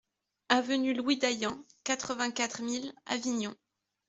Avenue Louis Daillant, quatre-vingt-quatre mille Avignon